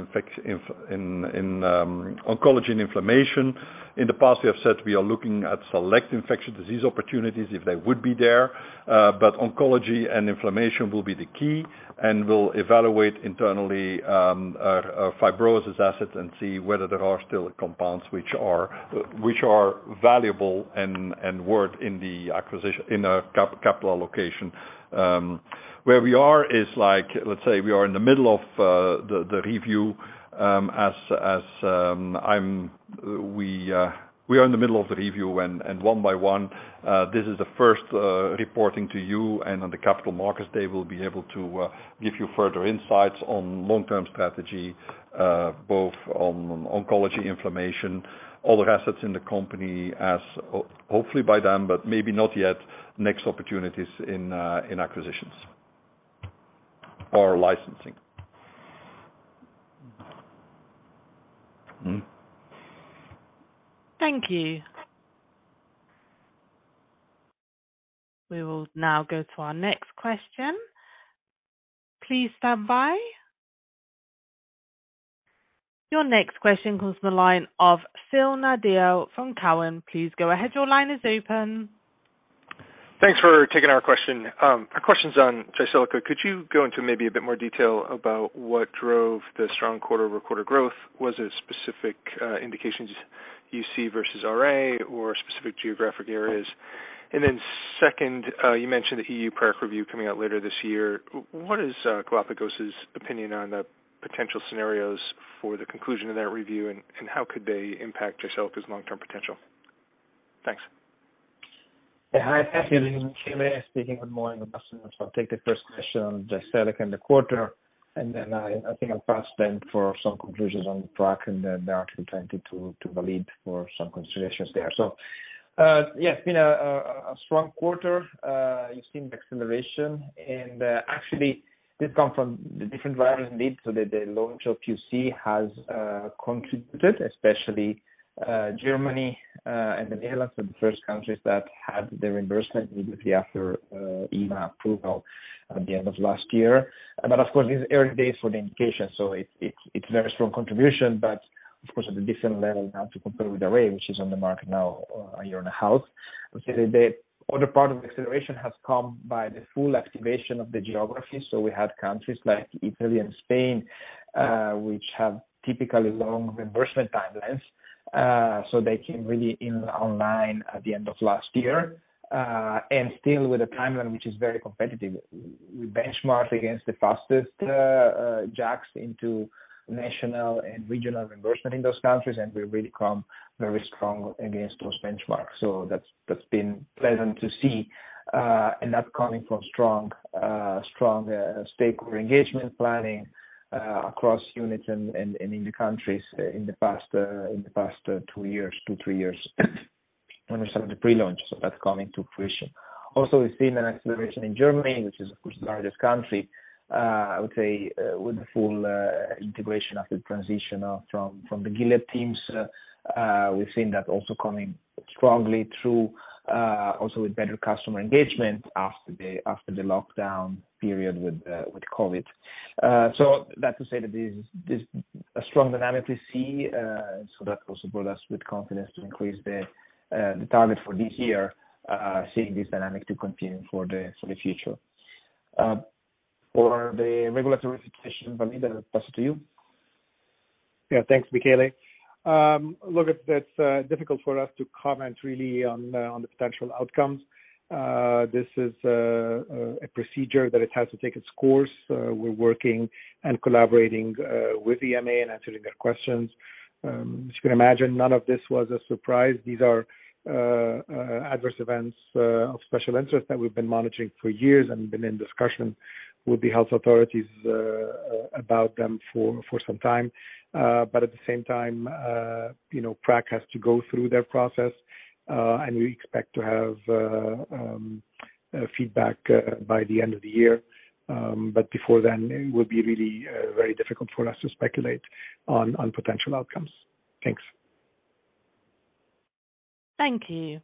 inflammation. In the past, we have said we are looking at select infectious disease opportunities if they would be there. Oncology and inflammation will be the key, and we'll evaluate internally our fibrosis assets and see whether there are still compounds which are valuable and worth in the acquisition, in capital allocation. Where we are is like, let's say we are in the middle of the review, and one by one this is the first reporting to you and on the Capital Markets Day, we'll be able to give you further insights on long-term strategy, both on oncology, inflammation, other assets in the company as hopefully by then, but maybe not yet, next opportunities in acquisitions or licensing. Thank you. We will now go to our next question. Please stand by. Your next question comes from the line of Phil Nadeau from Cowen. Please go ahead. Your line is open. Thanks for taking our question. Our question's on Jyseleca. Could you go into maybe a bit more detail about what drove the strong quarter-over-quarter growth? Was it specific indications, UC versus RA or specific geographic areas? Second, you mentioned the EU PRAC review coming out later this year. What is Galapagos's opinion on the potential scenarios for the conclusion of that review, and how could they impact Jyseleca's long-term potential? Thanks. Hi. Thank you. Michele speaking. Good morning, everyone. I'll take the first question on Jyseleca and the quarter, and then I think I'll pass then for some conclusions on the PRAC and then back to Walid for some considerations there. It's been a strong quarter. You've seen the acceleration, and actually this come from the different drivers indeed. The launch of UC has contributed, especially Germany and the Netherlands are the first countries that had the reimbursement immediately after EMA approval at the end of last year. But of course, it's early days for the indication, so it's very strong contribution, but of course, at a different level now to compare with RA, which is on the market now a year and a half. I would say the other part of acceleration has come by the full activation of the geography. We had countries like Italy and Spain, which have typically long reimbursement timelines. They came really online at the end of last year. Still with a timeline which is very competitive. We benchmark against the fastest JAKs into national and regional reimbursement in those countries, and we've really come very strong against those benchmarks. That's been pleasant to see. That's coming from strong stakeholder engagement planning across units and in the countries in the past two, three years when we started the pre-launch. That's coming to fruition. Also, we've seen an acceleration in Germany, which is of course the largest country. I would say, with the full integration of the transition from the Gilead teams, we've seen that also coming strongly through, also with better customer engagement after the lockdown period with COVID. To say that is this a strong dynamic we see. That also brought us with confidence to increase the target for this year, seeing this dynamic to continue for the future. For the regulatory situation, Walid, I'll pass it to you. Yeah. Thanks, Michele. Look, it's difficult for us to comment really on the potential outcomes. This is a procedure that it has to take its course. We're working and collaborating with EMA and answering their questions. As you can imagine, none of this was a surprise. These are adverse events of special interest that we've been monitoring for years and been in discussion with the health authorities about them for some time. At the same time, you know, PRAC has to go through their process and we expect to have feedback by the end of the year. Before then, it would be really very difficult for us to speculate on potential outcomes. Thanks. Thank you.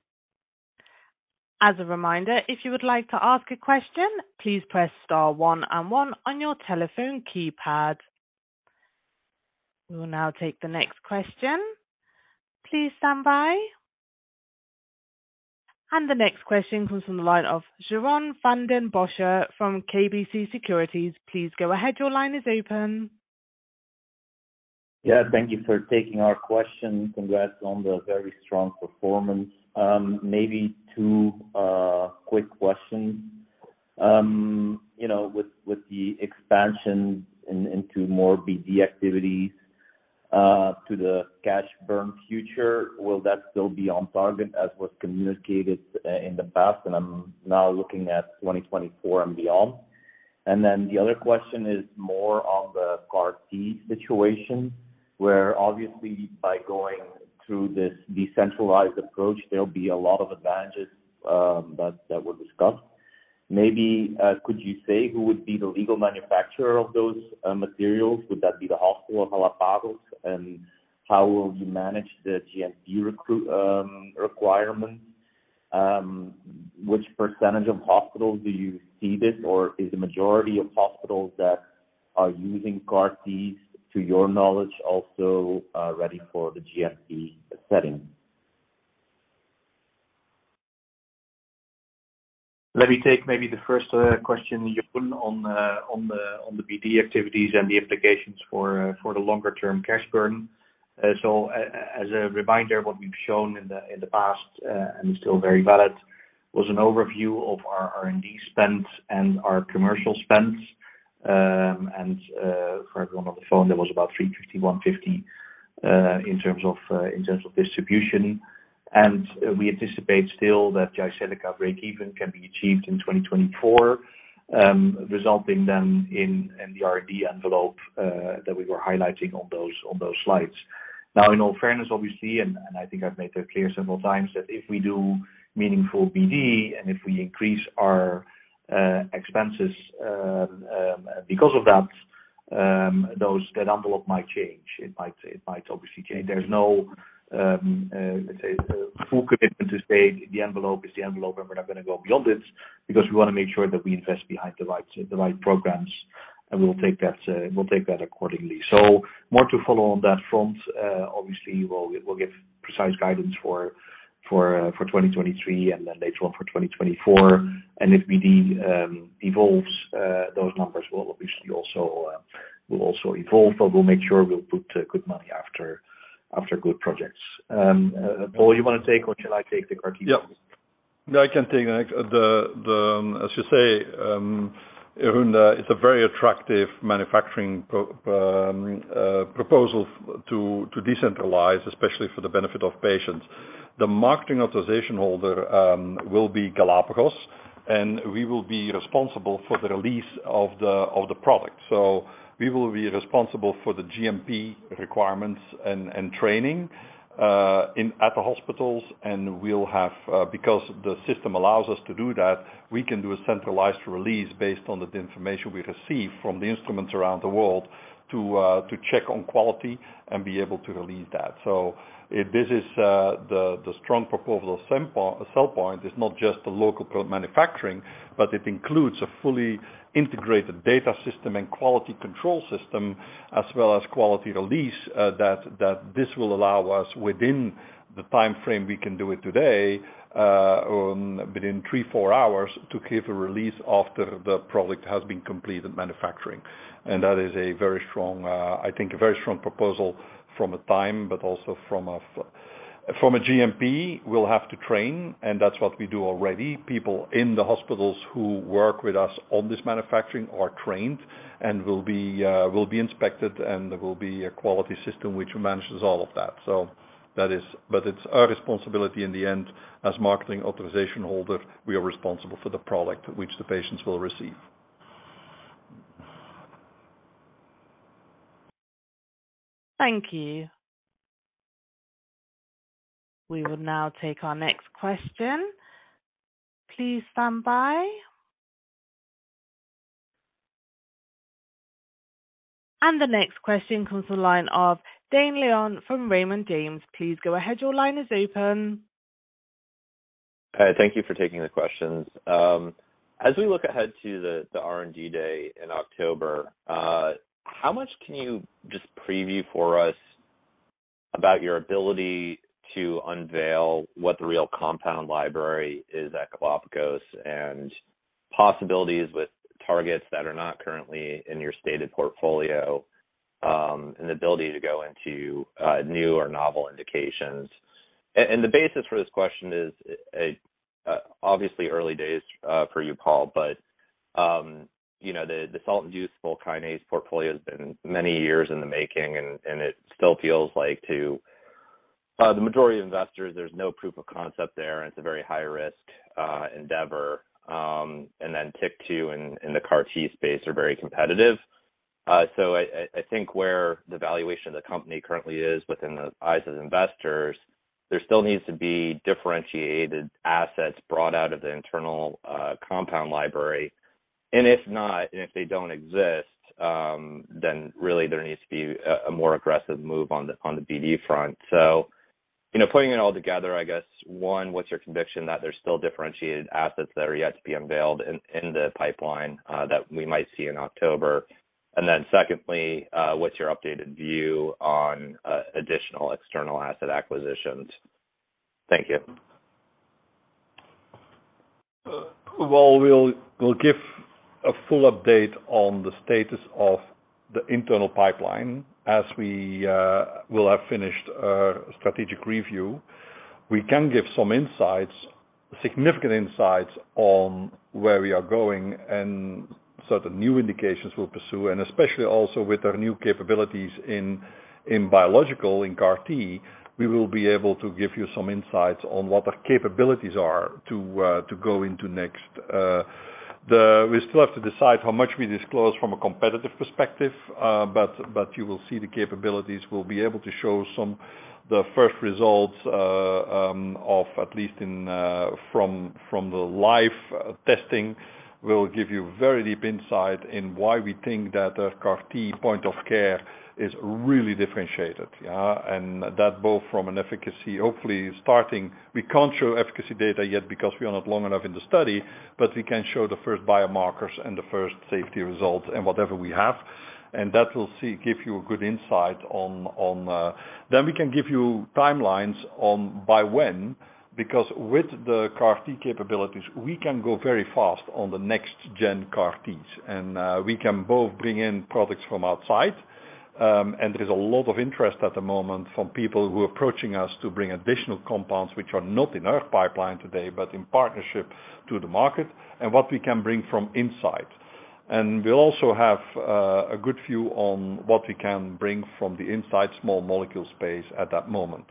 As a reminder, if you would like to ask a question, please press star one and one on your telephone keypad. We will now take the next question. Please stand by. The next question comes from the line of Jeroen Van den Bossche from KBC Securities. Please go ahead. Your line is open. Yeah, thank you for taking our question. Congrats on the very strong performance. Maybe two quick questions. You know, with the expansion into more BD activities to the cash burn future, will that still be on target as was communicated in the past? I'm now looking at 2024 and beyond. The other question is more on the CAR-T situation, where obviously by going through this decentralized approach, there'll be a lot of advantages that were discussed. Maybe could you say who would be the legal manufacturer of those materials? Would that be the hospital Galapagos? And how will you manage the GMP requirement? Which percentage of hospitals do you see this, or is the majority of hospitals that are using CAR-T, to your knowledge, also ready for the GMP setting? Let me take maybe the first question, Jeroen, on the BD activities and the implications for the longer term cash burn. As a reminder, what we've shown in the past and is still very valid, was an overview of our R&D spend and our commercial spends. For everyone on the phone, there was about 350, 150, in terms of distribution. We anticipate still that Jyseleca breakeven can be achieved in 2024, resulting then in the R&D envelope that we were highlighting on those slides. Now in all fairness, obviously, I think I've made that clear several times, that if we do meaningful BD and if we increase our expenses because of that, those. That envelope might change. It might obviously change. There's no, let's say, full commitment is made. The envelope is the envelope, and we're not gonna go beyond it, because we wanna make sure that we invest behind the right programs, and we'll take that accordingly. So more to follow on that front. Obviously, we'll give precise guidance for 2023 and then later on for 2024. If BD evolves, those numbers will obviously also evolve, but we'll make sure we'll put good money after good projects. Paul, you wanna take or shall I take the CAR-T? Yeah. No, I can take that. As you say, Jeroen, that it's a very attractive manufacturing proposal to decentralize, especially for the benefit of patients. The marketing authorization holder will be Galapagos, and we will be responsible for the release of the product. We will be responsible for the GMP requirements and training at the hospitals. We'll have, because the system allows us to do that, we can do a centralized release based on the information we receive from the instruments around the world to check on quality and be able to release that. This is the strong proposal of CellPoint. It's not just the local point of care manufacturing, but it includes a fully integrated data system and quality control system as well as quality release, that this will allow us, within the time frame we can do it today, within 3-4 hours to give a release after the product has been completed manufacturing. That is a very strong, I think a very strong proposal from a time, but also from a GMP. We'll have to train, and that's what we do already. People in the hospitals who work with us on this manufacturing are trained and will be inspected, and there will be a quality system which manages all of that. It's our responsibility in the end. As marketing authorization holder, we are responsible for the product which the patients will receive. Thank you. We will now take our next question. Please stand by. The next question comes from the line of Dane Leone from Raymond James. Please go ahead. Your line is open. Hi, thank you for taking the questions. As we look ahead to the R&D Day in October, how much can you just preview for us about your ability to unveil what the real compound library is at Galapagos and possibilities with targets that are not currently in your stated portfolio, and ability to go into new or novel indications? The basis for this question is obviously early days for you, Paul, but you know, the salt-inducible kinase portfolio has been many years in the making and it still feels like to the majority of investors, there's no proof of concept there, and it's a very high risk endeavor. And then TYK2 in the CAR-T space are very competitive. I think where the valuation of the company currently is within the eyes of investors, there still needs to be differentiated assets brought out of the internal compound library. And if not, and if they don't exist, then really there needs to be a more aggressive move on the BD front. You know, putting it all together, I guess, one, what's your conviction that there's still differentiated assets that are yet to be unveiled in the pipeline, that we might see in October? And then secondly, what's your updated view on additional external asset acquisitions? Thank you. We'll give a full update on the status of the internal pipeline as we will have finished our strategic review. We can give some significant insights on where we are going and certain new indications we'll pursue, and especially also with our new capabilities in biologics, in CAR-T, we will be able to give you some insights on what our capabilities are to go into next. We still have to decide how much we disclose from a competitive perspective, but you will see the capabilities. We'll be able to show some of the first results of at least from the live testing will give you very deep insight into why we think that our CAR-T point of care is really differentiated, yeah. That both from an efficacy, hopefully starting. We can't show efficacy data yet because we are not long enough in the study, but we can show the first biomarkers and the first safety results and whatever we have, and that will give you a good insight on. We can give you timelines on by when, because with the CAR-T capabilities, we can go very fast on the next gen CAR-Ts. We can both bring in products from outside, and there's a lot of interest at the moment from people who are approaching us to bring additional compounds which are not in our pipeline today, but in partnership to the market and what we can bring from inside. We'll also have a good view on what we can bring from the inside small molecule space at that moment.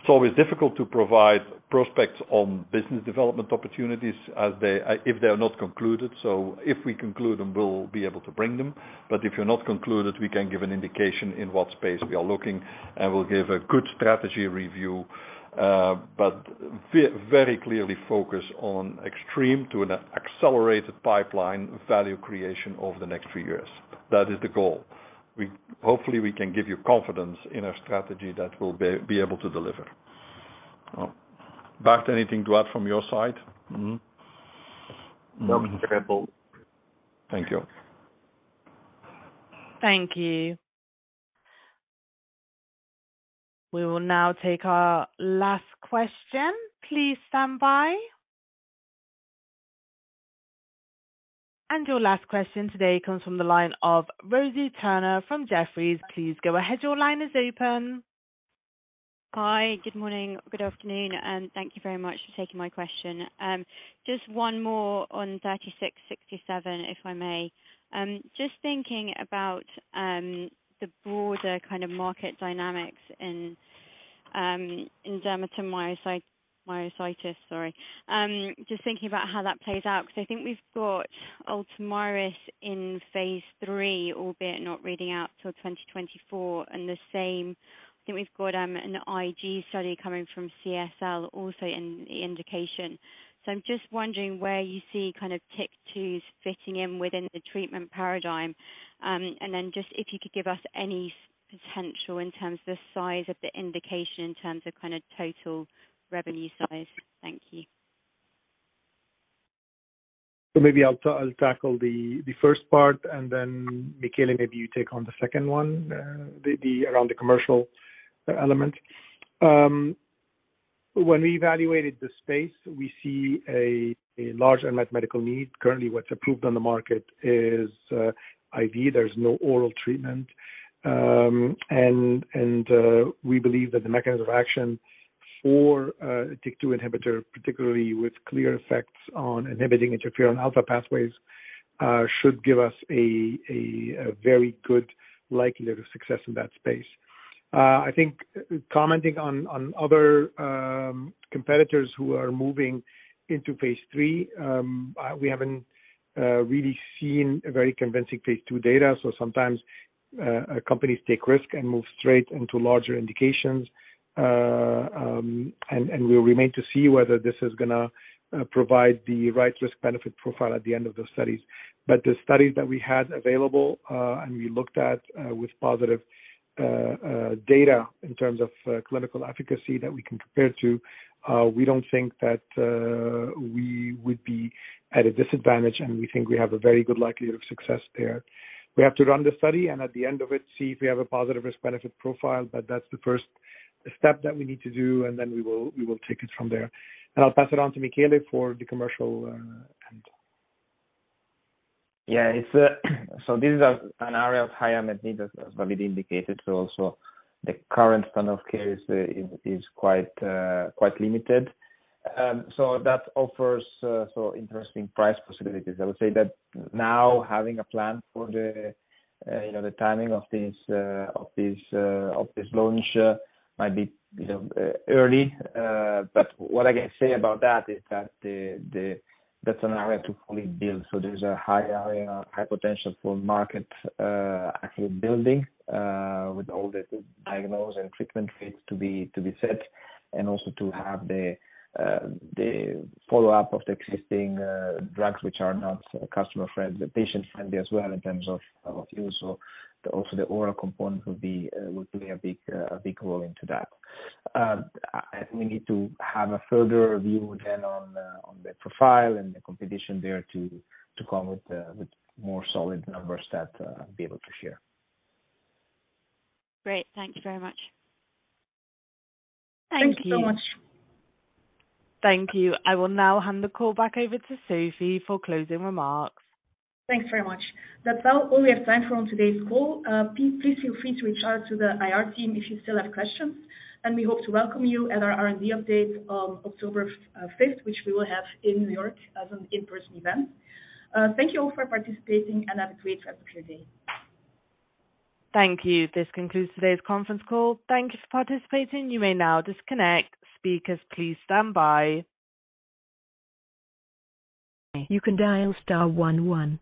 It's always difficult to provide prospects on business development opportunities if they are not concluded, so if we conclude them, we'll be able to bring them. If they're not concluded, we can give an indication in what space we are looking, and we'll give a good strategy review, but very clearly focused on extreme to an accelerated pipeline value creation over the next few years. That is the goal. Hopefully, we can give you confidence in our strategy that we'll be able to deliver. Bart, anything to add from your side? Mm-hmm. No. Thank you. Thank you. We will now take our last question. Please stand by. Your last question today comes from the line of Rosie Turner from Jefferies. Please go ahead. Your line is open. Hi. Good morning. Good afternoon, and thank you very much for taking my question. Just one more on 3667, if I may. Just thinking about the broader kind of market dynamics in dermatomyositis, sorry. Just thinking about how that plays out, 'cause I think we've got Ultomiris in phase III, albeit not reading out till 2024. The same, I think we've got an IG study coming from CSL also in the indication. I'm just wondering where you see kind of TYK2s fitting in within the treatment paradigm. And then just if you could give us any potential in terms of the size of the indication, in terms of kind of total revenue size. Thank you. Maybe I'll tackle the first part, and then Michele, maybe you take on the second one, the around the commercial element. When we evaluated the space, we see a large unmet medical need. Currently, what's approved on the market is IV. There's no oral treatment. We believe that the mechanism of action for a TYK2 inhibitor, particularly with clear effects on inhibiting interferon alfa pathways, should give us a very good likelihood of success in that space. I think commenting on other competitors who are moving into phase three, we haven't really seen a very convincing phase two data, so sometimes companies take risk and move straight into larger indications. We'll wait to see whether this is gonna provide the right risk-benefit profile at the end of the studies. The studies that we had available and we looked at with positive data in terms of clinical efficacy that we can compare to, we don't think that we would be at a disadvantage, and we think we have a very good likelihood of success there. We have to run the study and at the end of it, see if we have a positive risk-benefit profile, but that's the first step that we need to do, and then we will take it from there. I'll pass it on to Michele for the commercial end. Yeah. It's an area of high unmet need, as Walid indicated. The current standard of care is quite limited. That offers interesting pricing possibilities. I would say that now having a plan for the timing of this launch might be early. What I can say about that is that that's an area to fully build. There's a high area of high potential for market building, actually, with all the diagnosis and treatment rates to be set, and also to have the follow-up of the existing drugs which are not customer-friendly, patient-friendly as well in terms of use. Also the oral component will play a big role into that. We need to have a further view then on the profile and the competition there to come with more solid numbers that I'll be able to share. Great. Thank you very much. Thank you. Thank you so much. Thank you. I will now hand the call back over to Sophie for closing remarks. Thanks very much. That's all we have time for on today's call. Please feel free to reach out to the IR team if you still have questions, and we hope to welcome you at our R&D update on October fifth, which we will have in New York as an in-person event. Thank you all for participating and have a great rest of your day. Thank you. This concludes today's conference call. Thank you for participating. You may now disconnect. Speakers, please stand by. You can dial star one one.